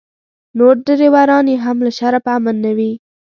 نور ډریوران یې هم له شره په امن نه وي.